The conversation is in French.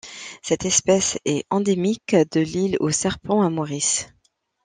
Cette espèce est endémique de l'île aux Serpents à Maurice.